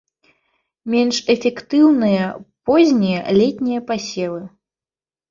Менш эфектыўныя познія летнія пасевы.